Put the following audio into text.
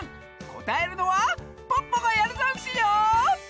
こたえるのはポッポがやるざんすよ！